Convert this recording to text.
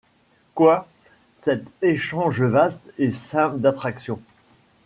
Quoi ! cet échange vaste et saint d’attraction